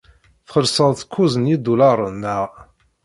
Txellsed-t kuẓ n yidulaṛen, naɣ?